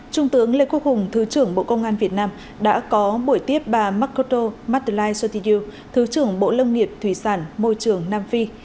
trung tướng lê quốc hùng thứ trưởng bộ công an việt nam đã có buổi tiếp bà makoto madelai sotiriu thứ trưởng bộ lâm nghiệp thủy sản môi trường nam phi